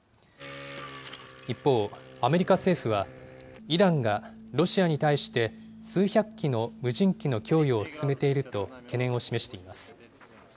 一方、アメリカ政府は、イランがロシアに対して数百機の無人機の供与を進めていると懸念を示しています。